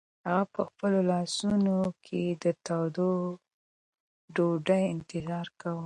هغه په خپلو لاسو کې د تودې ډوډۍ انتظار کاوه.